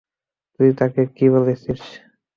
তুই তাকে বলেছিস?